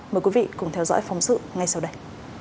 mời quý vị cùng theo dõi phóng sự ngay sau đây